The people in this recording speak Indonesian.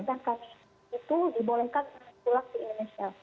dan kami itu dibolehkan pulang ke indonesia